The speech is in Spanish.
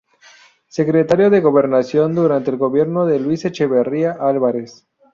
Secretario de Gobernación durante el gobierno de Luis Echeverría Álvarez.